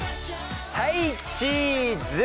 はいチーズ！